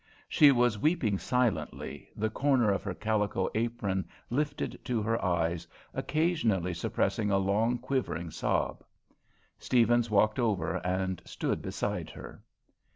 She was weeping silently, the corner of her calico apron lifted to her eyes, occasionally suppressing a long, quivering sob. Steavens walked over and stood beside her.